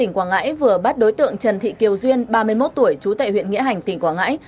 tỉnh quảng ngãi vừa bắt đối tượng trần thị kiều duyên ba mươi một tuổi trú tại huyện nghĩa hành tỉnh quảng ngãi